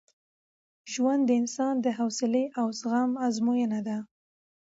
ژوند د انسان د حوصلې او زغم ازموینه ده.